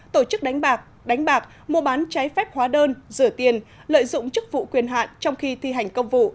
tổ chức đánh bạc đánh bạc mua bán trái phép hóa đơn rửa tiền lợi dụng chức vụ quyền hạn trong khi thi hành công vụ